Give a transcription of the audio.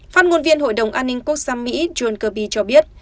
phát ngôn viên hội đồng an ninh quốc gia mỹ john kirby cho biết